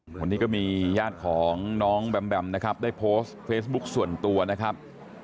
วันนี้ก็มีญาติของน้องแบมแบมนะครับได้โพสต์เฟซบุ๊คส่วนตัวนะครับ